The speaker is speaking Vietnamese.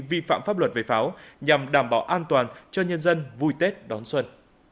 vi phạm pháp luật về pháo nhằm đảm bảo an toàn cho nhân dân vui tết đón xuân